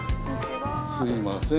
すいません